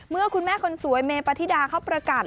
เมื่อคุณแม่คนสวยเมปฏิดาเขาประกาศ